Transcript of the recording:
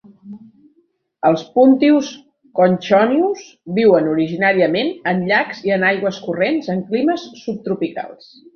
Els Puntius conchonius viuen originàriament en llacs i en aigües corrents en climes subtropicals.